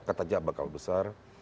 kata kata bakal besar